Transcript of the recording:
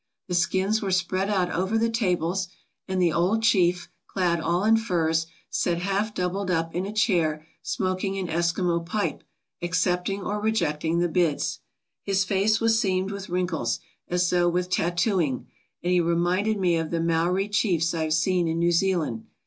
The skins were spread out over the tables, and the old chief, clad all in furs, sat half doubled up in a chair smoking an Eskimo pipe, accepting or rejecting the bids. His face was seamed with wrinkles, as though with tattooing, and he reminded me of the Maori chiefs I have seen in New Zealand.